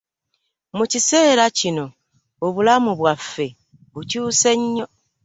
Mu kiseera kino obulamu bwaffe bukyuse nnyo.